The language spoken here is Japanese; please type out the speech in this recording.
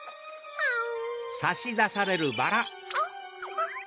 アン！